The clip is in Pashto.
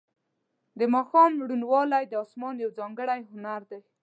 د ماښام روڼوالی د اسمان یو ځانګړی هنر دی.